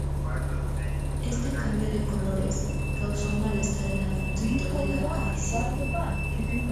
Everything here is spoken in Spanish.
Este cambio de colores causó malestar en algún sector de la afición.